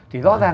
thì rõ ràng